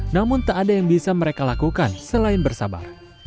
namun tak ada yang bisa mereka lakukan selain bersabar